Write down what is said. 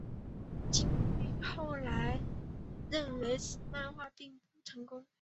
今敏后来认为此漫画并不成功。